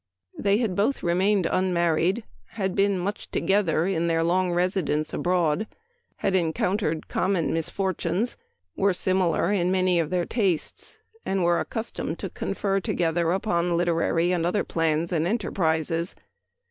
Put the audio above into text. They had both remained unmarried, had been much together in their long residence abroad, had encountered common misfortunes, were similar in many of their tastes, and were accus tomed to confer together upon literary and other plans and enterprises.